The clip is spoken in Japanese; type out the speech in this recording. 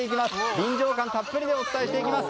臨場感たっぷりでお伝えしていきます。